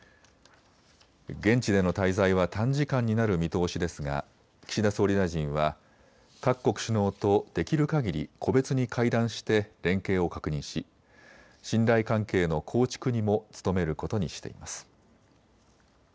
現地での滞在は短時間になる見通しですが岸田総理大臣は各国首脳とできるかぎり個別に会談して連携を確認し信頼関係の構築にも努めることにしています。